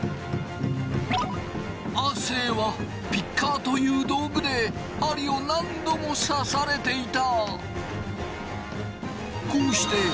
亜生はピッカーという道具で針を何度も刺されていた！